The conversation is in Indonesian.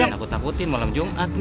ayolah aku takutin malam jumat nih